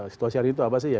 situasi hari itu apa sih ya